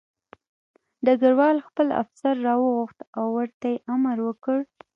ډګروال خپل افسر راوغوښت او ورته یې امر وکړ